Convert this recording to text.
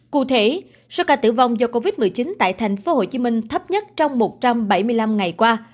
cụ thể số ca tử vong do covid một mươi chín tại tp hcm thấp nhất trong một trăm bảy mươi năm ngày qua